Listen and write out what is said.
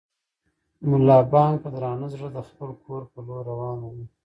ملا بانګ په درانه زړه د خپل کور په لور روان و.